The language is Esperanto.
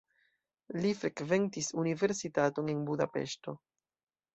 Li frekventis universitaton en Budapeŝto.